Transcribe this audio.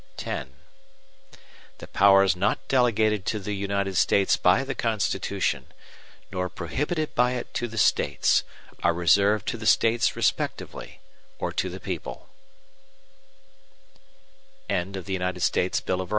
X The powers not delegated to the United States by the Constitution, nor prohibited by it to the States, are reserved to the States respectively, or to the people.